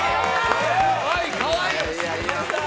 かわいい！